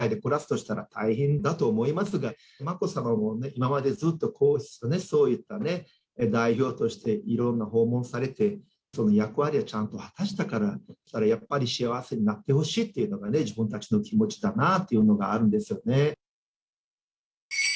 海外で暮らすとしたら大変だと思いますが、眞子さまも今までずっと皇室の、そういった代表として、いろんな訪問されて、役割はちゃんと果たしたから、やっぱり幸せになってほしいっていうのがね、自分たちの気持ちだなぁというのがあるんですよね。